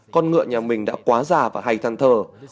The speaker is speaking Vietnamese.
con ngựa nhà mình đã quá già và hay than thờ